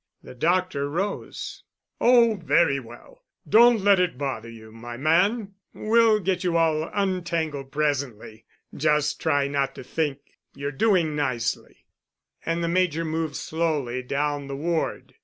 The doctor rose. "Oh, very well. Don't let it bother you, my man. We'll get you all untangled presently. Just try not to think; you're doing nicely." And the Major moved slowly down the ward.